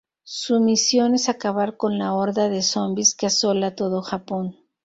Su misión es acabar con la horda de zombies que asola todo Japón.